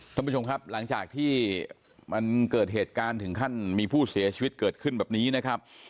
ท่านผู้ชมครับหลังจากที่มันเกิดเหตุการณ์ถึงขั้นมีผู้เสียชีวิตเกิดขึ้นแบบนี้นะครับ